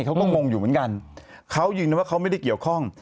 เขาก็งงอยู่เหมือนกันเขายืนยันว่าเขาไม่ได้เกี่ยวข้อง